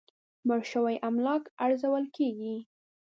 مړ شوي املاک ارزول کېږي.